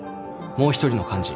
もう一人の患児